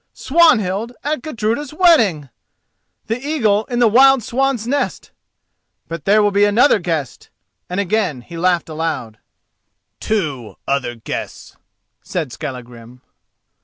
Swanhild at Gudruda's wedding!—the eagle in the wild swan's nest! But there will be another guest," and again he laughed aloud. "Two other guests," said Skallagrim.